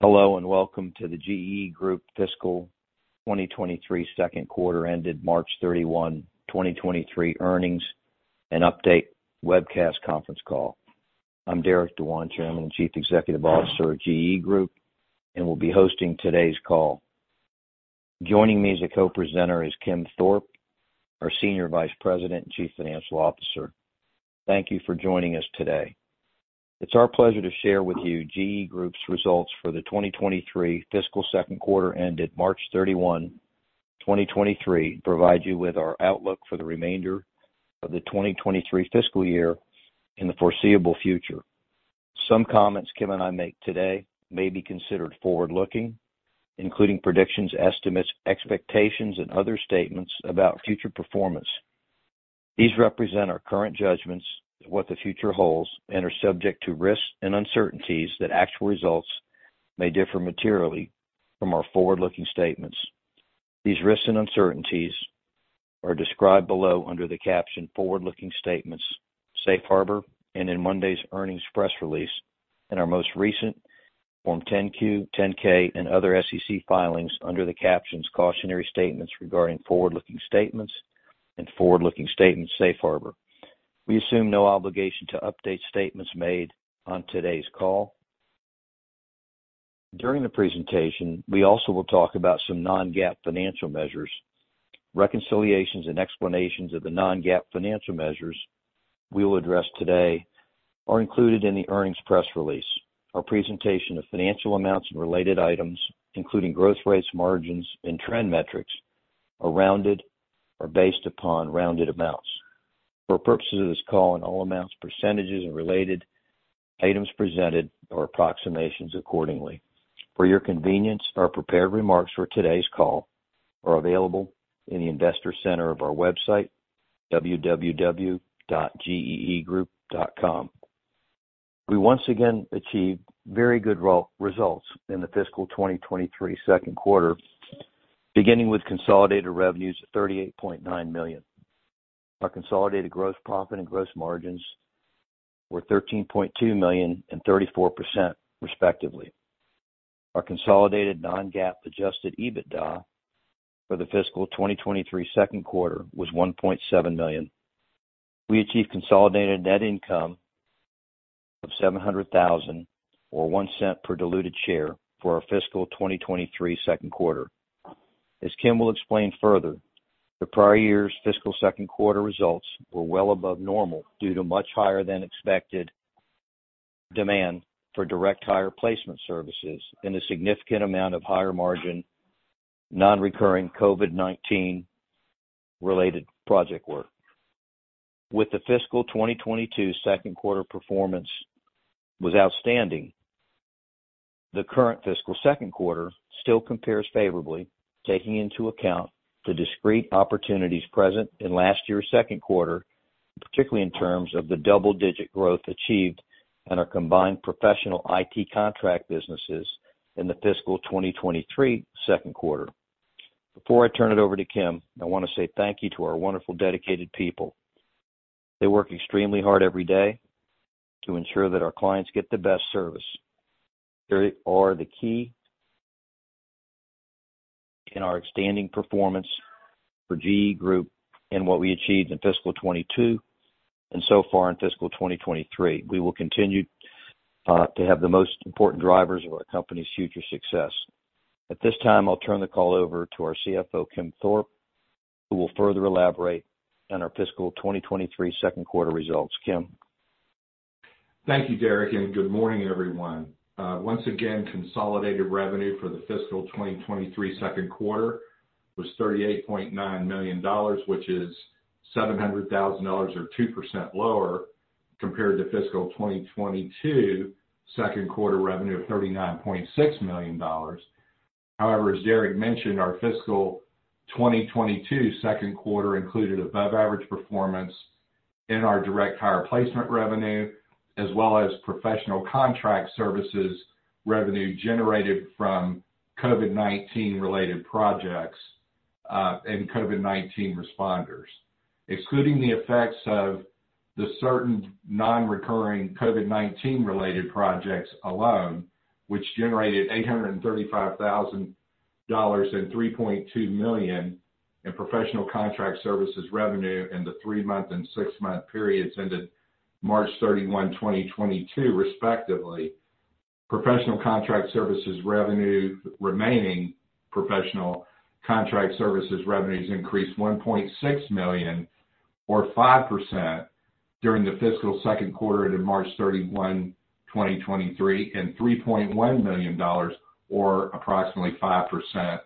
Hello and welcome to the GEE Group Fiscal 2023 second quarter ended March 31, 2023 earnings and update webcast conference call. I'm Derek Dewan, Chairman and Chief Executive Officer of GEE Group, and will be hosting today's call. Joining me as a co-presenter is Kim Thorpe, our Senior Vice President and Chief Financial Officer. Thank you for joining us today. It's our pleasure to share with you GEE Group's results for the 2023 fiscal second quarter ended March 31, 2023, and provide you with our outlook for the remainder of the 2023 fiscal year in the foreseeable future. Some comments Kim and I make today may be considered forward-looking, including predictions, estimates, expectations, and other statements about future performance. These represent our current judgments of what the future holds and are subject to risks and uncertainties that actual results may differ materially from our forward-looking statements. These risks and uncertainties are described below under the caption Forward-Looking Statements Safe Harbor and in Monday's earnings press release, and our most recent Form 10-Q, Form 10-K and other SEC filings under the captions Cautionary Statements regarding Forward-Looking Statements and Forward-Looking Statements Safe Harbor. We assume no obligation to update statements made on today's call. During the presentation, we also will talk about some non-GAAP financial measures. Reconciliations and explanations of the non-GAAP financial measures we will address today are included in the earnings press release. Our presentation of financial amounts and related items, including growth rates, margins, and trend metrics, are rounded or based upon rounded amounts. For purposes of this call and all amounts, percentages, and related items presented are approximations accordingly. For your convenience, our prepared remarks for today's call are available in the investor center of our website, www.geegroup.com. We once again achieved very good results in the fiscal 2023 second quarter, beginning with consolidated revenues of $38.9 million. Our consolidated gross profit and gross margins were $13.2 million and 34%, respectively. Our consolidated non-GAAP adjusted EBITDA for the fiscal 2023 second quarter was $1.7 million. We achieved consolidated net income of $700,000 or $0.01 per diluted share for our fiscal 2023 second quarter. As Kim will explain further, the prior year's fiscal second quarter results were well above normal due to much higher than expected demand for direct hire placement services and a significant amount of higher margin non-recurring COVID-19 related project work. With the fiscal 2022 second quarter performance was outstanding, the current fiscal second quarter still compares favorably, taking into account the discrete opportunities present in last year's second quarter, particularly in terms of the double-digit growth achieved in our combined professional IT contract businesses in the fiscal 2023 second quarter. Before I turn it over to Kim, I want to say thank you to our wonderful dedicated people. They work extremely hard every day to ensure that our clients get the best service. They are the key in our outstanding performance for GEE Group and what we achieved in fiscal 2022 and so far in fiscal 2023. We will continue to have the most important drivers of our company's future success. At this time, I'll turn the call over to our CFO, Kim Thorpe, who will further elaborate on our fiscal 2023 second quarter results. Kim. Thank you, Derek, and good morning, everyone. Once again, consolidated revenue for the fiscal 2023 second quarter was $38.9 million, which is $700,000 or 2% lower compared to fiscal 2022 second quarter revenue of $39.6 million. As Derek mentioned, our fiscal 2022 second quarter included above average performance in our direct hire placement revenue as well as professional contract services revenue generated from COVID-19 related projects and COVID-19 responders. Excluding the effects of the certain non-recurring COVID-19 related projects alone, which generated $835,000 and $3.2 million in professional contract services revenue in the 3-month and 6-month periods ended March 31, 2022, respectively. remaining professional contract services revenues increased $1.6 million or 5% during the fiscal second quarter ended March 31, 2023, and $3.1 million or approximately 5%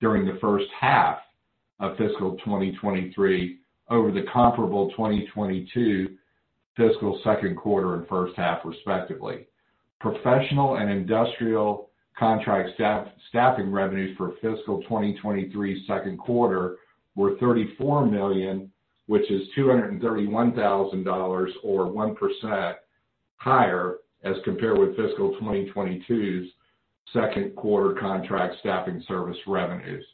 during the first half of fiscal 2023 over the comparable 2022 fiscal second quarter and first half, respectively. Professional and industrial contract staffing revenues for fiscal 2023 second quarter were $34 million, which is $231 thousand or 1% higher as compared with fiscal 2022's second quarter contract staffing service revenues.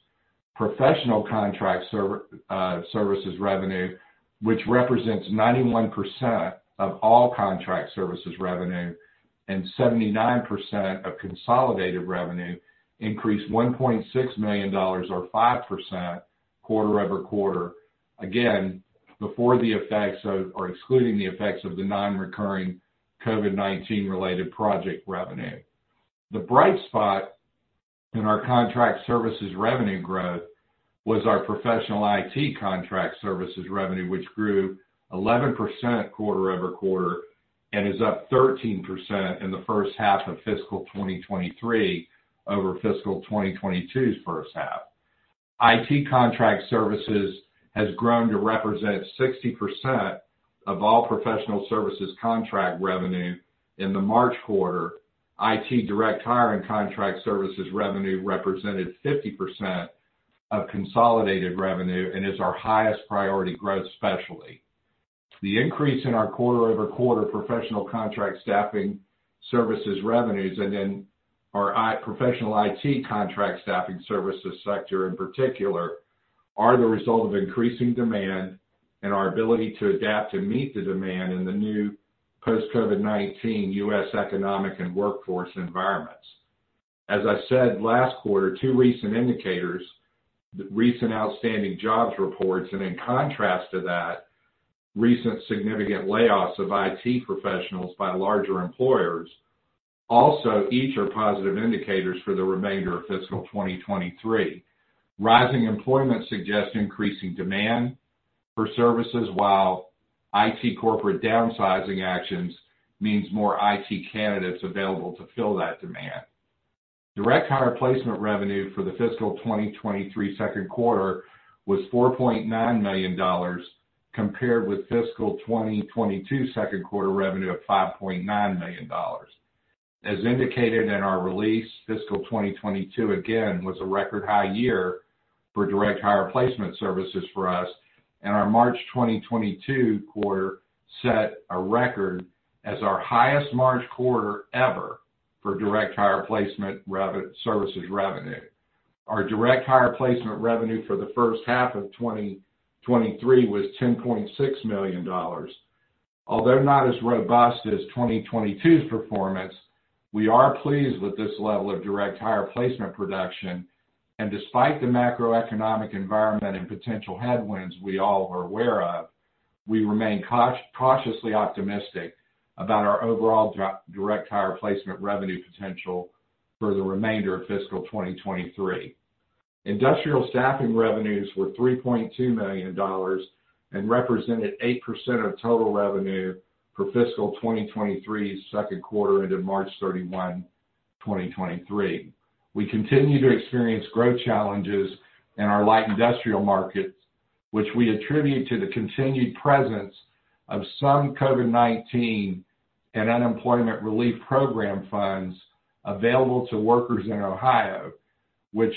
Professional contract services revenue, which represents 91% of all contract services revenue and 79% of consolidated revenue, increased $1.6 million or 5% quarter-over-quarter, again, before the effects of or excluding the effects of the non-recurring COVID-19 related project revenue. The bright spot in our contract services revenue growth was our professional IT contract services revenue, which grew 11% quarter-over-quarter and is up 13% in the first half of fiscal 2023 over fiscal 2022's first half. IT contract services has grown to represent 60% of all professional services contract revenue. In the March quarter, IT direct hire and contract services revenue represented 50% of consolidated revenue and is our highest priority growth specialty. The increase in our quarter-over-quarter professional contract staffing services revenues and in our professional IT contract staffing services sector in particular, are the result of increasing demand and our ability to adapt and meet the demand in the new post-COVID-19 U.S. economic and workforce environments. As I said last quarter, two recent indicators, recent outstanding jobs reports and in contrast to that, recent significant layoffs of IT professionals by larger employers, also each are positive indicators for the remainder of fiscal 2023. Rising employment suggests increasing demand for services while IT corporate downsizing actions means more IT candidates available to fill that demand. Direct hire placement revenue for the fiscal 2023 second quarter was $4.9 million compared with fiscal 2022 second quarter revenue of $5.9 million. As indicated in our release, fiscal 2022 again was a record high year for direct hire placement services for us, and our March 2022 quarter set a record as our highest March quarter ever for direct hire placement services revenue. Our direct hire placement revenue for the first half of 2023 was $10.6 million. Although not as robust as 2022's performance, we are pleased with this level of direct hire placement production. Despite the macroeconomic environment and potential headwinds we all are aware of, we remain cautiously optimistic about our overall direct hire placement revenue potential for the remainder of fiscal 2023. Industrial staffing revenues were $3.2 million and represented 8% of total revenue for fiscal 2023's second quarter ended March 31, 2023. We continue to experience growth challenges in our light industrial markets, which we attribute to the continued presence of some COVID-19 and unemployment relief program funds available to workers in Ohio, which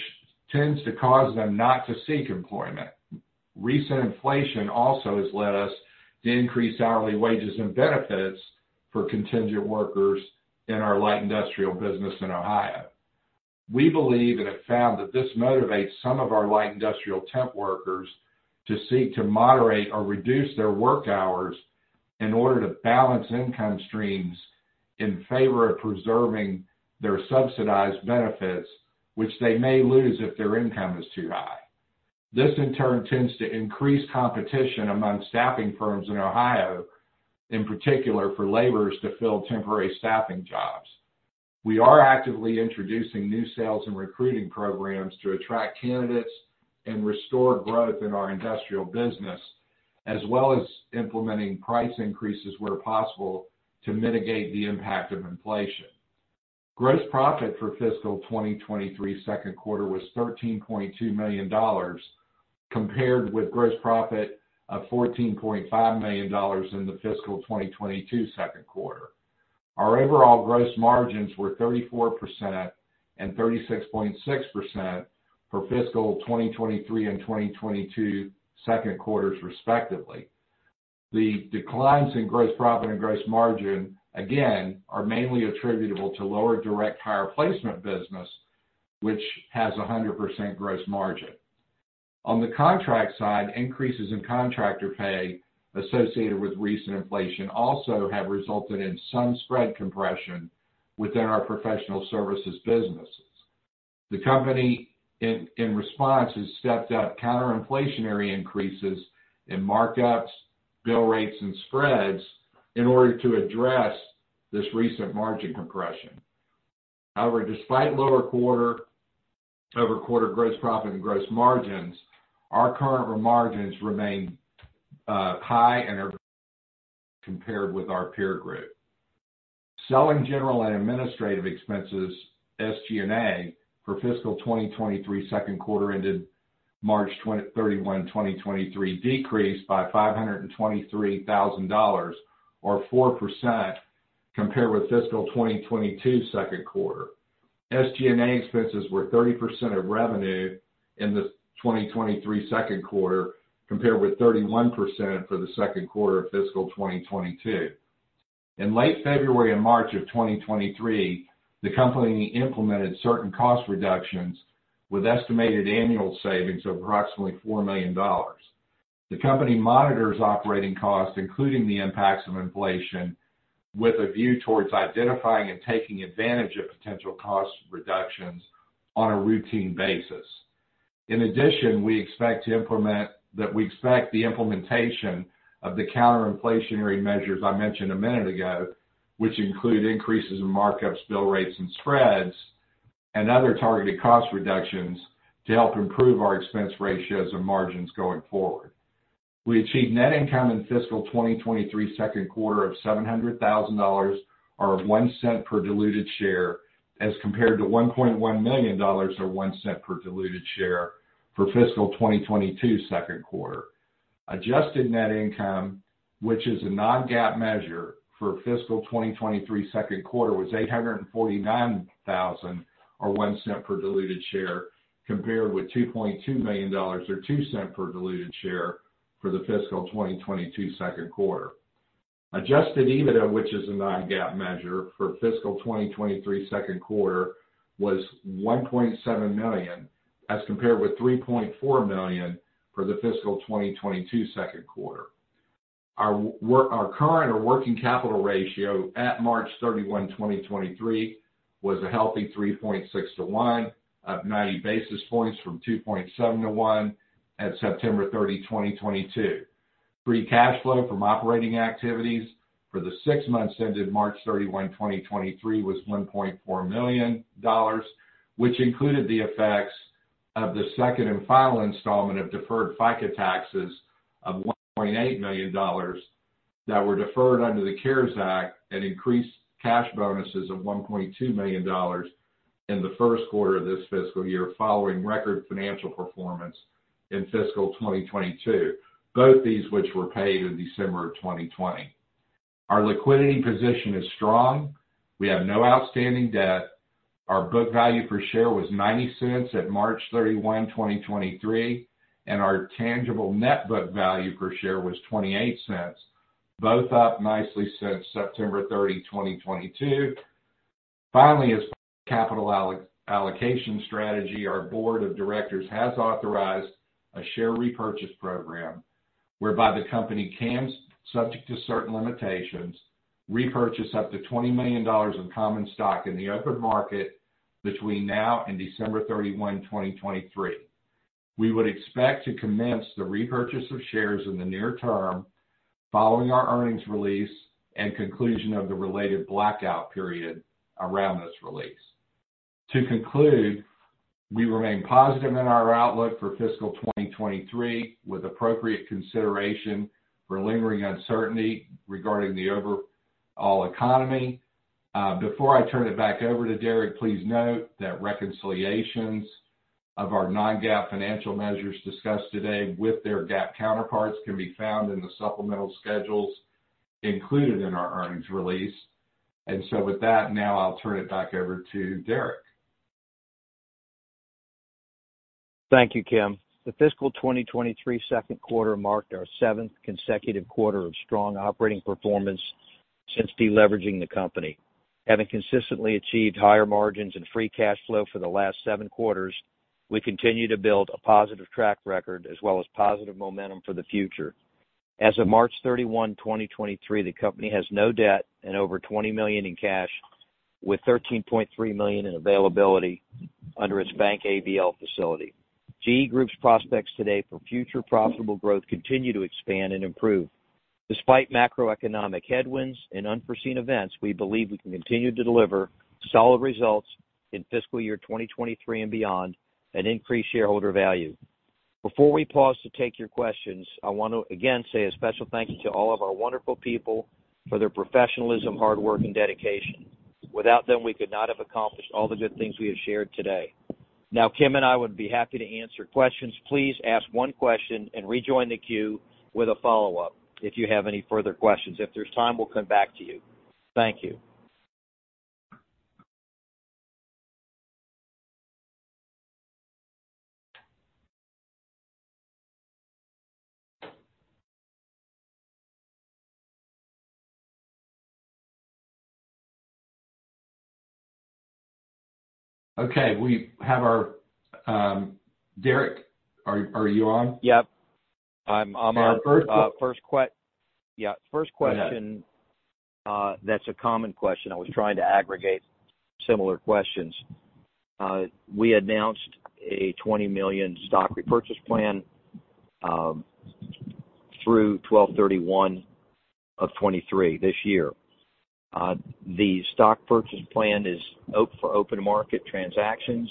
tends to cause them not to seek employment. Recent inflation also has led us to increase hourly wages and benefits for contingent workers in our light industrial business in Ohio. We believe and have found that this motivates some of our light industrial temp workers to seek to moderate or reduce their work hours in order to balance income streams in favor of preserving their subsidized benefits, which they may lose if their income is too high. This, in turn, tends to increase competition among staffing firms in Ohio, in particular, for laborers to fill temporary staffing jobs. We are actively introducing new sales and recruiting programs to attract candidates and restore growth in our industrial business, as well as implementing price increases where possible to mitigate the impact of inflation. Gross profit for fiscal 2023's second quarter was $13.2 million, compared with gross profit of $14.5 million in the fiscal 2022 second quarter. Our overall gross margins were 34% and 36.6% for fiscal 2023 and 2022 second quarters, respectively. The declines in gross profit and gross margin, again, are mainly attributable to lower direct hire placement business, which has a 100% gross margin. On the contract side, increases in contractor pay associated with recent inflation also have resulted in some spread compression within our professional services businesses. The company in response has stepped up counter-inflationary increases in markups, bill rates, and spreads in order to address this recent margin compression. However, despite lower quarter-over-quarter gross profit and gross margins, our current margins remain high and are compared with our peer group. Selling general and administrative expenses, SG&A, for fiscal 2023 second quarter ended March 31, 2023, decreased by $523,000 or 4% compared with fiscal 2022's second quarter. SG&A expenses were 30% of revenue in the 2023 second quarter, compared with 31% for the second quarter of fiscal 2022. In late February and March of 2023, the company implemented certain cost reductions with estimated annual savings of approximately $4 million. The company monitors operating costs, including the impacts of inflation, with a view towards identifying and taking advantage of potential cost reductions on a routine basis. In addition, we expect the implementation of the counter-inflationary measures I mentioned a minute ago, which include increases in markups, bill rates, and spreads and other targeted cost reductions to help improve our expense ratios and margins going forward. We achieved net income in fiscal 2023 second quarter of $700,000 or $0.01 per diluted share as compared to $1.1 million or $0.01 per diluted share for fiscal 2022 second quarter. Adjusted net income, which is a non-GAAP measure for fiscal 2023 second quarter, was $849,000 or $0.01 per diluted share, compared with $2.2 million or $0.02 per diluted share for the fiscal 2022 second quarter. Adjusted EBITDA, which is a non-GAAP measure for fiscal 2023 second quarter, was $1.7 million, as compared with $3.4 million for the fiscal 2022 second quarter. Our current or working capital ratio at March 31, 2023 was a healthy 3.6 to 1, up 90 basis points from 2.7 to 1 at September 30, 2022. Free cash flow from operating activities for the 6 months ended March 31, 2023 was $1.4 million, which included the effects of the second and final installment of deferred FICA taxes of $1.8 million that were deferred under the CARES Act and increased cash bonuses of $1.2 million in the first quarter of this fiscal year following record financial performance in fiscal 2022. Both these which were paid in December of 2020. Our liquidity position is strong. We have no outstanding debt. Our book value per share was $0.90 at March 31, 2023, and our tangible net book value per share was $0.28, both up nicely since September 30, 2022. Finally, as capital allocation strategy, our board of directors has authorized a share repurchase program whereby the company can, subject to certain limitations, repurchase up to $20 million in common stock in the open market between now and December 31, 2023. We would expect to commence the repurchase of shares in the near term following our earnings release and conclusion of the related blackout period around this release. To conclude, we remain positive in our outlook for fiscal 2023 with appropriate consideration for lingering uncertainty regarding the overall economy. Before I turn it back over to Derek, please note that reconciliations of our non-GAAP financial measures discussed today with their GAAP counterparts can be found in the supplemental schedules included in our earnings release. With that, now I'll turn it back over to Derek. Thank you, Kim. The fiscal 2023 second quarter marked our seventh consecutive quarter of strong operating performance since deleveraging the company. Having consistently achieved higher margins and free cash flow for the last seven quarters, we continue to build a positive track record as well as positive momentum for the future. As of March 31, 2023, the company has no debt and over $20 million in cash with $13.3 million in availability under its bank ABL facility. GEE Group's prospects today for future profitable growth continue to expand and improve. Despite macroeconomic headwinds and unforeseen events, we believe we can continue to deliver solid results in fiscal year 2023 and beyond and increase shareholder value. Before we pause to take your questions, I want to again say a special thank you to all of our wonderful people for their professionalism, hard work, and dedication. Without them, we could not have accomplished all the good things we have shared today. Now, Kim and I would be happy to answer questions. Please ask one question and rejoin the queue with a follow-up if you have any further questions. If there's time, we'll come back to you. Thank you. Okay. We have our, Derek, are you on? Yep. I'm on. Our first que-. first Go ahead. First question, that's a common question. I was trying to aggregate similar questions. We announced a $20 million stock repurchase plan, through 12/31/2023, this year. The stock purchase plan is for open market transactions,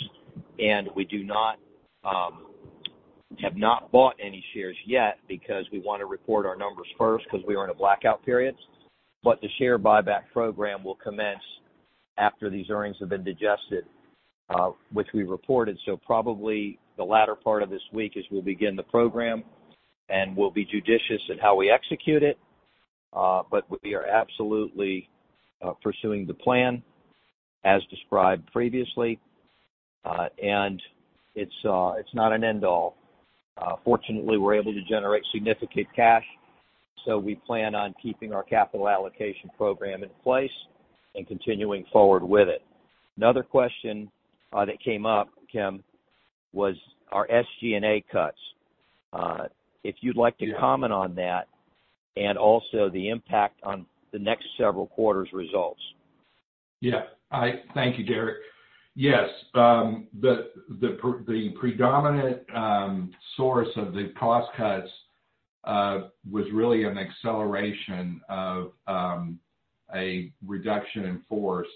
and we do not, have not bought any shares yet because we want to report our numbers first because we are in a blackout period. The share buyback program will commence after these earnings have been digested, which we reported. Probably the latter part of this week is we'll begin the program, and we'll be judicious in how we execute it. We are absolutely, pursuing the plan as described previously. It's not an end all. Fortunately, we're able to generate significant cash, so we plan on keeping our capital allocation program in place and continuing forward with it. Another question that came up, Kim, was our SG&A cuts. If you'd like to comment on that and also the impact on the next several quarters' results. Yeah. Thank you, Derek. Yes. The predominant source of the cost cuts was really an acceleration of a reduction in force,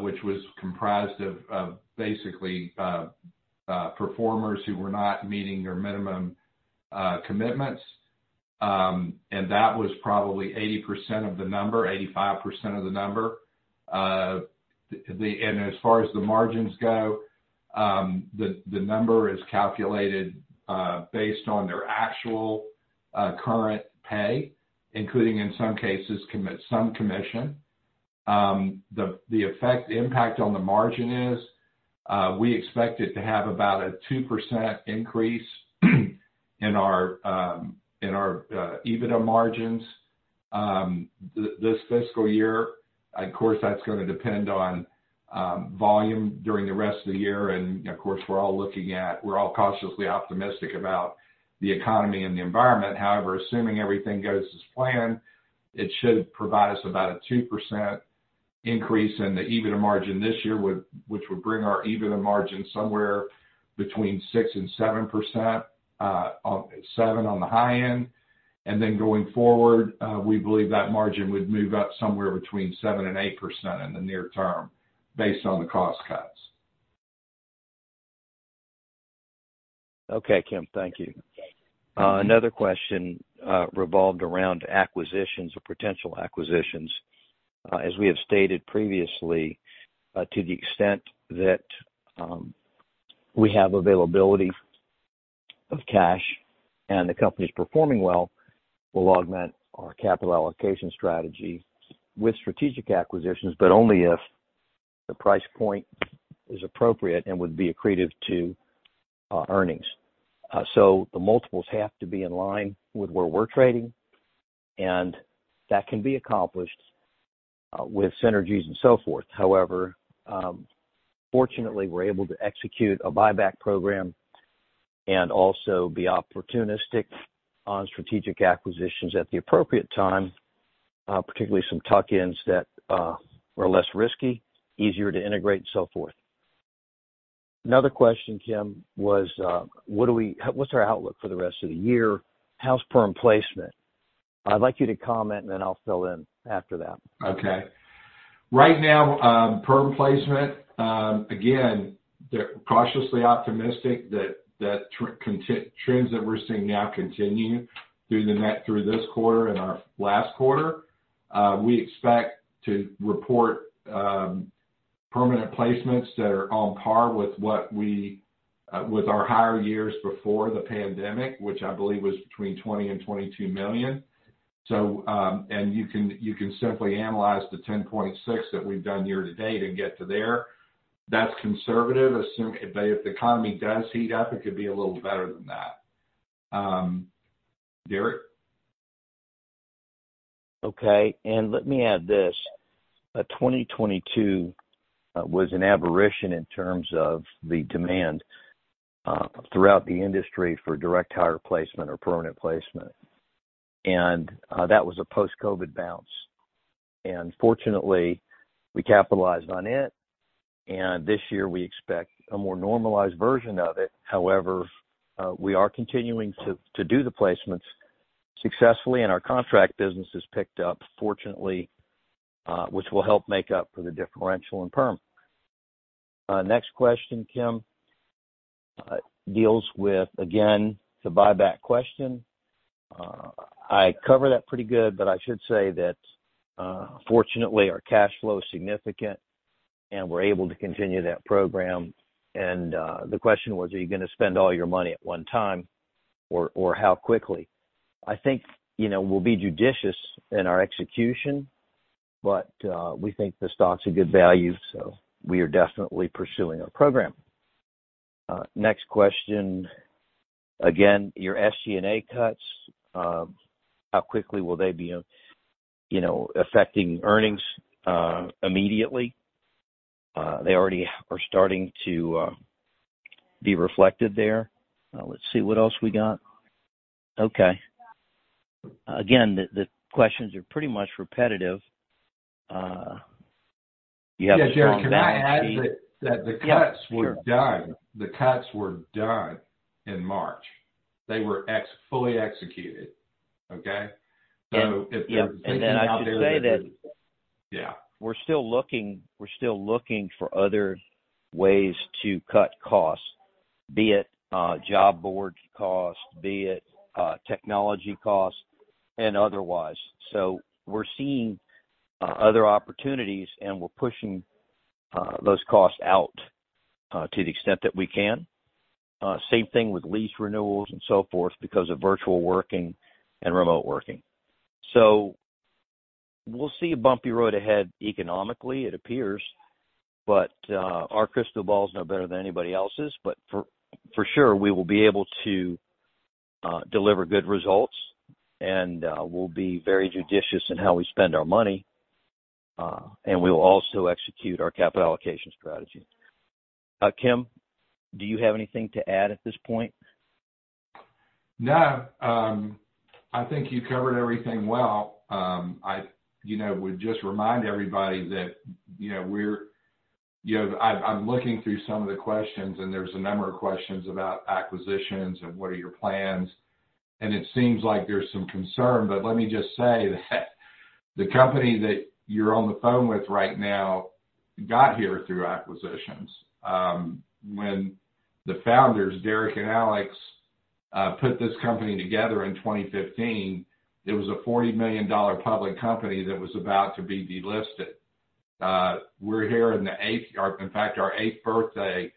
which was comprised of basically performers who were not meeting their minimum commitments. That was probably 80% of the number, 85% of the number. As far as the margins go, the number is calculated based on their actual current pay, including in some cases, some commission. The effect impact on the margin is, we expect it to have about a 2% increase in our EBITDA margins this fiscal year. Of course, that's gonna depend on volume during the rest of the year. Of course, we're all looking at, we're all cautiously optimistic about the economy and the environment. However, assuming everything goes as planned, it should provide us about a 2% increase in the EBITDA margin this year, which would bring our EBITDA margin somewhere between 6% and 7%, seven on the high end. Going forward, we believe that margin would move up somewhere between 7% and 8% in the near term based on the cost cuts. Okay, Kim. Thank you. Another question revolved around acquisitions or potential acquisitions. As we have stated previously, to the extent that we have availability of cash and the company is performing well, we'll augment our capital allocation strategy with strategic acquisitions, but only if the price point is appropriate and would be accretive to our earnings. The multiples have to be in line with where we're trading, and that can be accomplished with synergies and so forth. However, fortunately, we're able to execute a buyback program and also be opportunistic on strategic acquisitions at the appropriate time, particularly some tuck-ins that are less risky, easier to integrate and so forth. Another question, Kim, was, what's our outlook for the rest of the year? How's perm placement? I'd like you to comment, and then I'll fill in after that. Okay. Right now, perm placement, again, they're cautiously optimistic that, trends that we're seeing now continue through the net, through this quarter and our last quarter. We expect to report, permanent placements that are on par with what we, with our higher years before the pandemic, which I believe was between $20 million and $22 million. You can, you can simply analyze the $10.6 that we've done year to date and get to there. That's conservative. Assume if the economy does heat up, it could be a little better than that. Derek. Okay. Let me add this, 2022 was an aberration in terms of the demand throughout the industry for direct hire placement or permanent placement. That was a post-COVID bounce. Fortunately, we capitalized on it, and this year we expect a more normalized version of it. However, we are continuing to do the placements successfully, and our contract business has picked up fortunately, which will help make up for the differential in perm. Next question, Kim, deals with, again, the buyback question. I covered that pretty good, but I should say that fortunately, our cash flow is significant, and we're able to continue that program. The question was, are you gonna spend all your money at one time or how quickly? I think, you know, we'll be judicious in our execution, but we think the stock's a good value, so we are definitely pursuing our program. Next question. Again, your SG&A cuts, how quickly will they be, you know, affecting earnings immediately? They already are starting to be reflected there. Let's see what else we got. Okay. Again, the questions are pretty much repetitive. You have a strong balance sheet- Yeah. Derek, can I add that the cuts were done in March. They were fully executed. Okay? And- If there's anything out there. Yeah. Then I should say that- Yeah. We're still looking for other ways to cut costs, be it job board costs, be it technology costs, and otherwise. We're seeing other opportunities, and we're pushing those costs out to the extent that we can. Same thing with lease renewals and so forth because of virtual working and remote working. We'll see a bumpy road ahead economically, it appears. Our crystal ball is no better than anybody else's. For sure, we will be able to deliver good results and we'll be very judicious in how we spend our money. We will also execute our capital allocation strategy. Kim, do you have anything to add at this point? No. I think you covered everything well. I, you know, would just remind everybody that, you know, I'm looking through some of the questions, and there's a number of questions about acquisitions and what are your plans, and it seems like there's some concern. Let me just say that the company that you're on the phone with right now got here through acquisitions. When the founders, Derek and Alex, put this company together in 2015, it was a $40 million public company that was about to be delisted. We're here or in fact, our eighth birthday,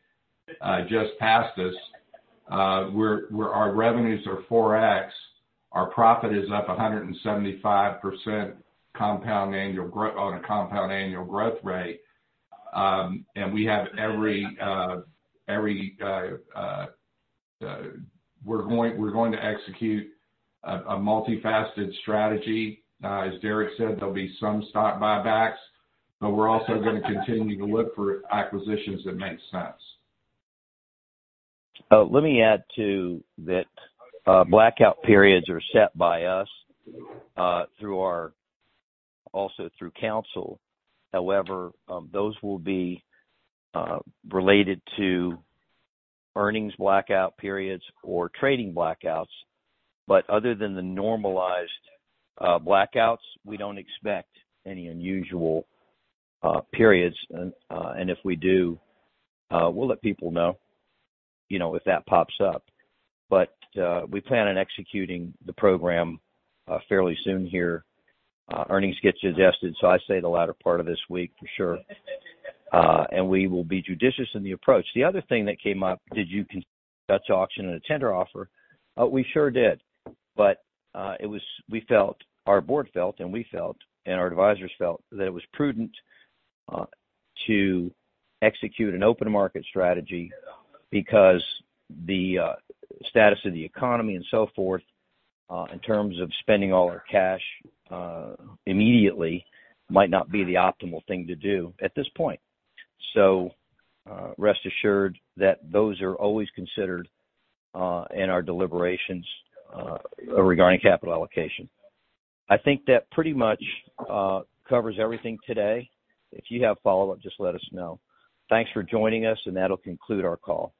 just passed us. Our revenues are 4x. Our profit is up 175% on a compound annual growth rate. multifaceted strategy. Derek said there will be some stock buybacks, but we are also going to continue to look for acquisitions that make sense Let me add to that. Blackout periods are set by us, through our, also through council. However, those will be related to earnings blackout periods or trading blackouts. If we do, we'll let people know, you know, if that pops up. We plan on executing the program fairly soon here. Earnings get suggested, I say the latter part of this week for sure. We will be judicious in the approach. The other thing that came up: Did you consider Dutch auction and a tender offer? We sure did. We felt, our board felt and we felt and our advisors felt that it was prudent to execute an open market strategy because the status of the economy and so forth, in terms of spending all our cash, immediately might not be the optimal thing to do at this point. Rest assured that those are always considered in our deliberations regarding capital allocation. I think that pretty much covers everything today. If you have follow-up, just let us know. Thanks for joining us, and that'll conclude our call.